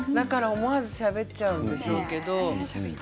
思わずしゃべってしまうんでしょうけど。